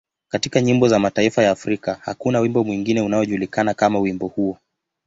Katika nyimbo za mataifa ya Afrika, hakuna wimbo mwingine unaojulikana kama wimbo huo.